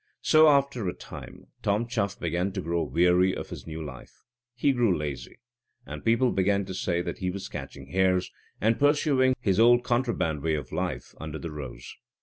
So, after a time, Tom Chuff began to grow weary of his new life; he grew lazy, and people began to say that he was catching hares, and pursuing his old contraband way of life, under the rose.